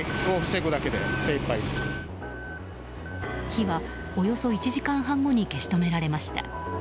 火はおよそ１時間半後に消し止められました。